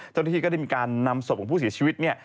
เจ้าหน้าที่ก็ได้มีการนำศพของผู้เสียชีวิตเนี่ย